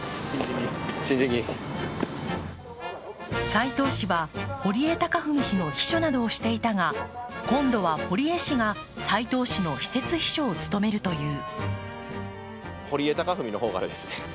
斉藤氏は堀江貴文氏の秘書などをしていたが、今度は堀江氏が斉藤氏の私設秘書を務めるという。